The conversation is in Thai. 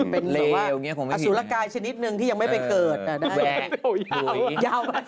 เป็นอัสุรกายชนิดหนึ่งที่ยังไม่ไปเกิดแวะปล่อยไม่พอเป็นเลว